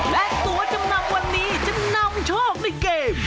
และตัวจำนำวันนี้จะนำโชคในเกม